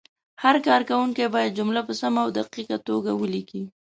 هر کارونکی باید جملې په سمه او دقیقه توګه ولیکي.